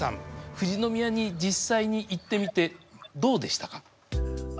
富士宮に実際に行ってみてどうでしたか？